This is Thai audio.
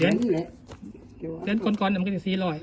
ใช้เด็นกร้อนกรรณเนอะมันก็เกินหลงสี่ร้อย